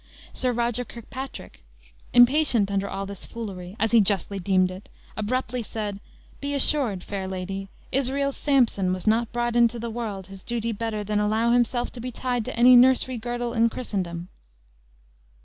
Sir Roger Kirkpatrick, impatient under all this foolery, as he justly deemed it, abruptly said, "Be assured, fair lady, Israel's Samson was not brought into the world his duty better than allow himself to be tied to any nursery girdle in Christendom."